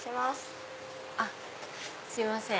あっすいません。